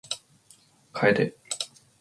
楓